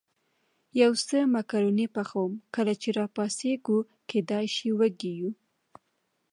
یو څه مکروني پخوم، کله چې را پاڅېږو کېدای شي وږي یو.